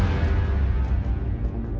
tiga kekuatan yang ada di sana